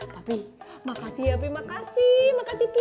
papi makasih ya papi makasih makasih pisan